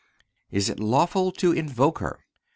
Is It Lawful To Invoke Her?